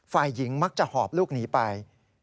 ฝ่ายหญิงมักจะหอบลูกหนีไป